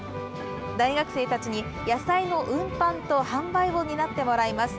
大学生たちに野菜の運搬と販売を担ってもらいます。